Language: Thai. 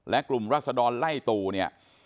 และกลุ่มรัศดรไล่ตู่เนี่ย